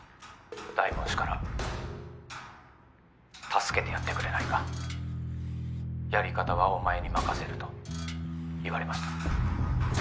大門氏から助けてやってくれないかやり方はお前に任せると言われました。